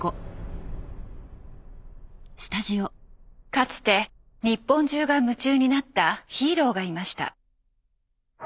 かつて日本中が夢中になったヒーローがいました。